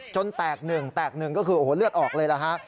แตกหนึ่งแตกหนึ่งก็คือโอ้โหเลือดออกเลยล่ะฮะ